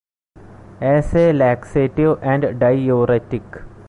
As a laxative and diuretic.